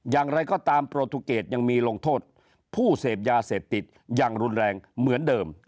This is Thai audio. อย่างไรก็ตามโปรตูเกตยังมีลงโทษผู้เสพยาเสพติดอย่างรุนแรงเหมือนเดิม